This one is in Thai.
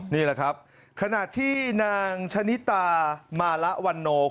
นี่แหละครับขณะที่นางชะนิตามาละวันโน